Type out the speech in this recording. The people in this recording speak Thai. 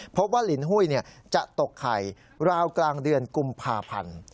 ลินหุ้ยจะตกไข่ราวกลางเดือนกุมภาพันธ์